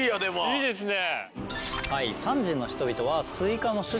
いいですね。